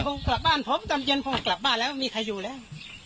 ผมกลับบ้านผมตอนเย็นผมกลับบ้านแล้วไม่มีใครอยู่แล้ว